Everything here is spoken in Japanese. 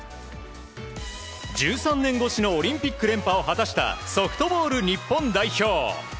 １３年越しのオリンピック連覇を果たしたソフトボール日本代表。